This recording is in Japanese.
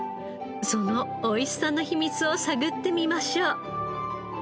その美味しさの秘密を探ってみましょう。